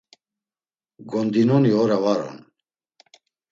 Gondinoni ora var on.